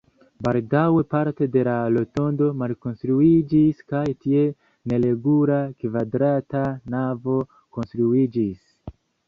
Baldaŭe parto de la rotondo malkonstruiĝis kaj tie neregula kvadrata navo konstruiĝis.